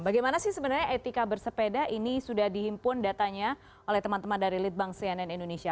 bagaimana sih sebenarnya etika bersepeda ini sudah dihimpun datanya oleh teman teman dari litbang cnn indonesia